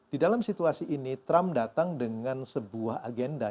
di dalam situasi ini trump datang dengan sebuah agenda